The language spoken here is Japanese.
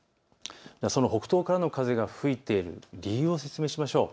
北東からの風が吹いている理由を説明しましょう。